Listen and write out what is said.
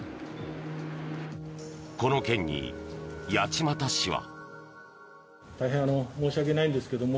この件に八街市は。